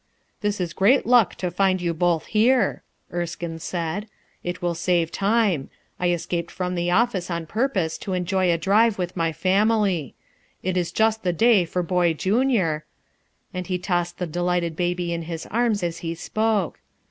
"This is great luck to find you both here," Erskine said. "It will save time. I escaped from the office on purpose to enjoy a drive with my family It is just the day for Boy Junior/* and he tossed the delighted baby in his arms as he spoke.